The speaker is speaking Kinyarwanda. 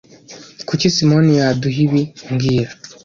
Kuki Simoni yaduha ibi mbwira